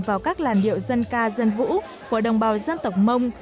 vào các làn điệu dân ca dân vũ của đồng bào dân tộc mông